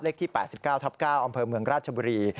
ที่๘๙ทับ๙อำเภอเมืองราชบุรี